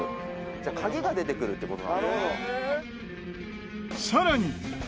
「じゃあ鍵が出てくるって事なのか」